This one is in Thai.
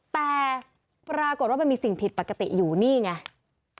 แต่ปรากฏว่ามันมีสิ่งผิดปกติอยู่นี่ไง